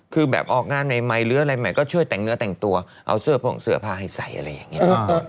คือแบบออกงานใหม่หรืออะไรใหม่ก็ช่วยแต่งเนื้อแต่งตัวเอาเสื้อผงเสื้อผ้าให้ใส่อะไรอย่างนี้